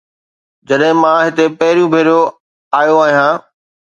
جڏهن مان هتي پهريون ڀيرو آيو آهيان